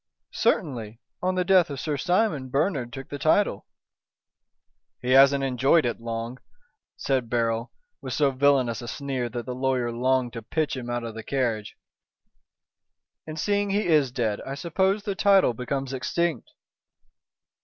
"Certainly. On the death of Sir Simon, Bernard took the title!" "He hasn't enjoyed it long," said Beryl, with so villainous a sneer that the lawyer longed to pitch him out of the carriage, "and seeing he is dead I suppose the title becomes extinct."